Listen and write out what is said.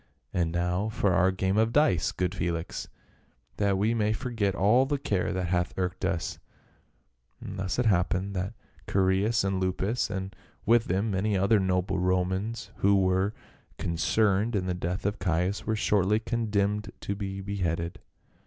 And now for our game of dice, good Felix, that we may forget all the care that hath irked us !" Thus it happened that Chaereas and Lupus, and with them many other noble Romans who were con cerned in the death of Caius, were shortly condemned to be beheaded.